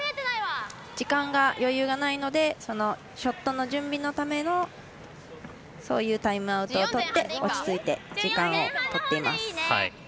時間が余裕がないのでショットの準備のためのそういうタイムアウトをとって落ち着いて時間をとっています。